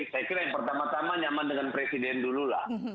saya kira yang pertama tama nyaman dengan presiden dulu lah